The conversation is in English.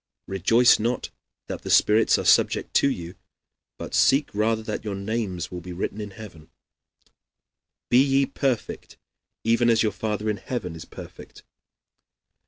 "Rejoice not that the spirits are subject to you, but seek rather that your names be written in heaven." "Be ye perfect even as your Father in heaven is perfect."